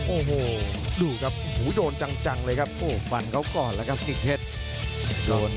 โอ้โหดูครับหูโดนจังเลยครับโอ้โหฟันเขาก่อนแล้วครับสิบเพชร